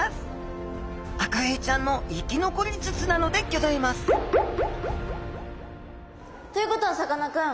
アカエイちゃんの生き残り術なのでギョざいますということはさかなクン